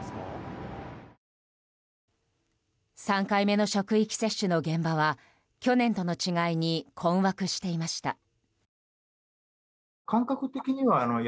３回目の職域接種の現場は去年との違いに困惑していました。